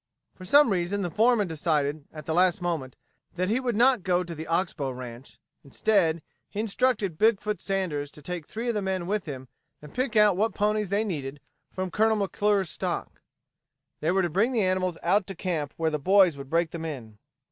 For some reason the foreman decided, at the last moment, that he would not go to the Ox Bow ranch. Instead, he instructed Big foot Sanders to take three of the men with him and pick out what ponies they needed from Colonel McClure's stock. They were to bring the animals out to camp where the boys would break them in.